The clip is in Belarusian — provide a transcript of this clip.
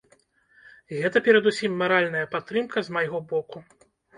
Гэта перадусім маральная падтрымка з майго боку.